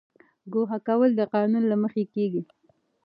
ګوښه کول د قانون له مخې کیږي